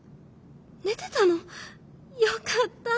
寝てたの？よかった」。